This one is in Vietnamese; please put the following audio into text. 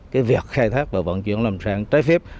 cái việc khai thác và vận chuyển lâm sản trái phép